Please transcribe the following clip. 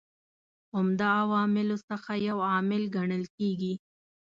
عمده عواملو څخه یو عامل کڼل کیږي.